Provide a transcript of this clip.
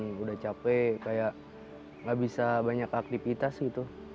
udah capek kayak gak bisa banyak aktivitas gitu